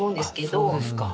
あそうですか。